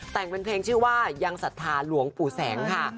แต่งเป็นเพลงชื่อว่ายังศรัทธาหลวงปู่แสงค่ะ